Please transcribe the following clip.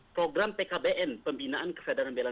program pkbn pembinaan kesadaran bela